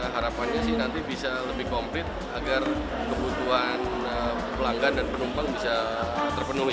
harapannya sih nanti bisa lebih komplit agar kebutuhan pelanggan dan penumpang bisa terpenuhi